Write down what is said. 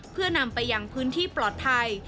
เพื่อนำไปยังพื้นที่ปลอดภัย